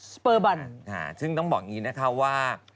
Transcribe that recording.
สเปอร์บันซึ่งต้องบอกอย่างนี้นะคะว่า